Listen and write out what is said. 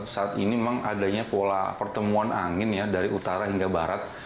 saat ini memang adanya pola pertemuan angin ya dari utara hingga barat